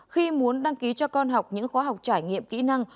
khi muốn đăng ký cho con học những khóa học trải nghiệm kỹ năng